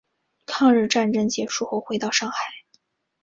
抗日战争结束后回到上海。